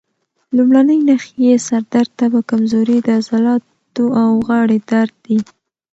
لومړنۍ نښې یې سر درد، تبه، کمزوري، د عضلاتو او غاړې درد دي.